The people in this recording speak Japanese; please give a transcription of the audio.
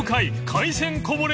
海鮮こぼれ